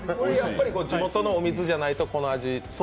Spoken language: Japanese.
地元のお水じゃないと、この味が出せない？